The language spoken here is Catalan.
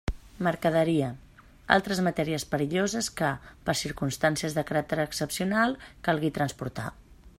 Mercaderia: altres matèries perilloses que, per circumstàncies de caràcter excepcional, calgui transportar.